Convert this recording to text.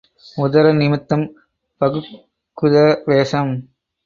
உதர நிமித்தம் பகுக்குத வேஷம்.